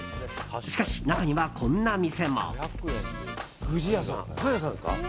しかし、中にはこんな店も。